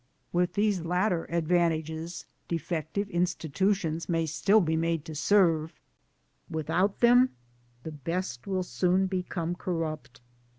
With these latter advantages defective institutions may still be made to serve ; without them the best will soon become corrupt.